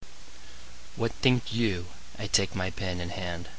What think You I take my Pen in Hand?